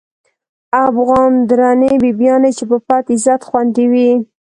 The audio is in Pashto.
افغانی درنی بیبیانی، چی په پت عزت خوندی وی